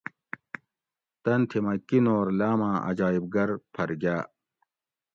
تن تھی مۤہ کینور لاۤماۤں عجایٔب گھر پھر گاۤ